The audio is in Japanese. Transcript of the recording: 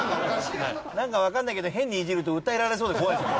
なんかわからないけど変にイジると訴えられそうで怖いです。